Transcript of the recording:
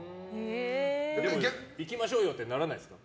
行きましょうよ！ってならないんですか？